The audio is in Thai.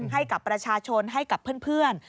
ให้กับประชาชนให้กับเพื่อน